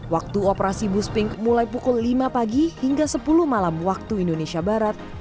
waktu operasi bus pink mulai pukul lima pagi hingga sepuluh malam waktu indonesia barat